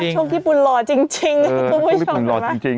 นักชงญี่ปุ่นหล่อจริง